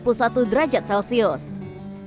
dan juga berkisar di kota jepang